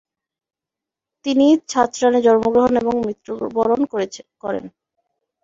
তিনি ছাচরানে জন্মগ্রহণ এবং মৃত্যুবরণ করেন।